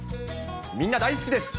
みんな大好きです。